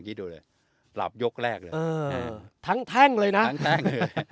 คิดดูเลยหลับยกแรกเลยเออทั้งแท่งเลยน่ะทั้งแท่ง